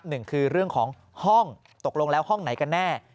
หนึ่งคือเรื่องของห้องตกลงแล้วห้องไหนกันแน่